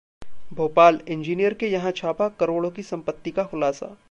Bhopal: engineer के यहां छापा, करोड़ों की संपत्ति का खुलासा